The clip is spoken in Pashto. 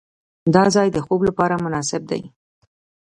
دا ځای د خوب لپاره مناسب دی.